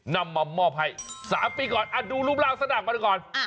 นำมามอบให้๓ปีก่อนดูรูปร่างสลากมาก่อน